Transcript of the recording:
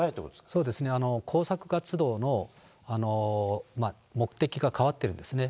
そうですね、工作活動の目的が変わってるんですね。